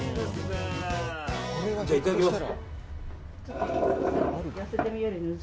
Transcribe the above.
じゃあ、いただきます。